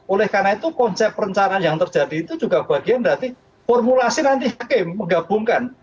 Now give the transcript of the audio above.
oleh karena itu konsep perencanaan yang terjadi itu juga bagian dari formulasi nanti hakim menggabungkan